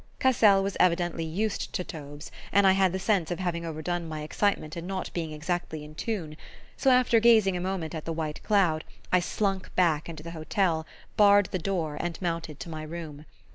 Cassel was evidently used to Taubes, and I had the sense of having overdone my excitement and not being exactly in tune; so after gazing a moment at the white cloud I slunk back into the hotel, barred the door and mounted to my room.